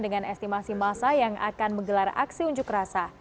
dengan estimasi masa yang akan menggelar aksi unjuk rasa